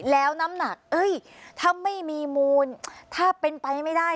แล้วน้ำหนักถ้าไม่มีมูลถ้าเป็นไปไม่ได้